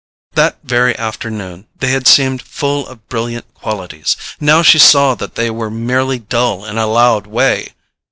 That very afternoon they had seemed full of brilliant qualities; now she saw that they were merely dull in a loud way.